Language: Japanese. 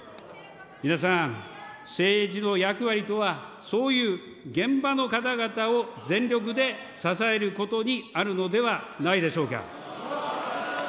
皆さん、政治の役割とは、そういう現場の方々を、全力で支えることにあるのではないでしょうか。